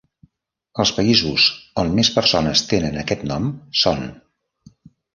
Els països on més persones tenen aquest nom són: